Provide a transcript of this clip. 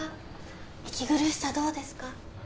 息苦しさどうですか？